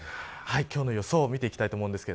今日の予想を見ていきたいと思います。